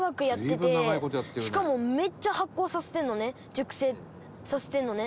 熟成させてるのね。